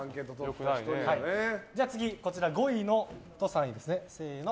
次、５位と３位ですね。